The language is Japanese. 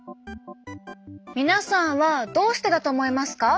皆さんはどうしてだと思いますか？